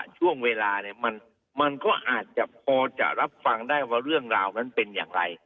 ช่วงเวลาเนี่ยมันก็อาจจะพอจะรับฟังได้ว่าเรื่องราวนั้นเป็นอย่างไร